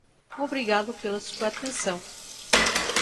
Obrigado pela sua atenção.